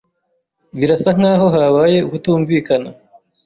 Birasa nkaho habaye ukutumvikana.